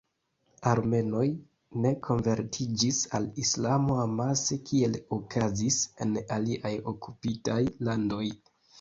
Armenoj ne konvertiĝis al Islamo amase kiel okazis en aliaj okupitaj landoj.